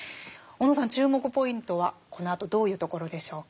小野さん注目ポイントはこのあとどういうところでしょうか。